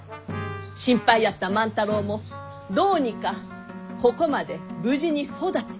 心配やった万太郎もどうにかここまで無事に育った。